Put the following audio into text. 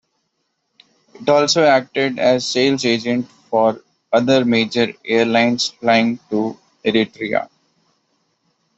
It also acted as sales agent for other major airlines flying to Eritrea.